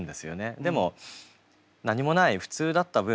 でも何もない普通だった分